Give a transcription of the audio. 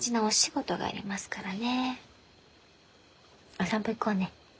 お散歩行こうね。